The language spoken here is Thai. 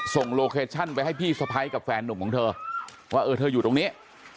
โลเคชั่นไปให้พี่สะพ้ายกับแฟนหนุ่มของเธอว่าเออเธออยู่ตรงนี้